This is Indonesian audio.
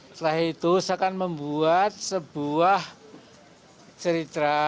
setelah itu saya akan membuat sebuah cerita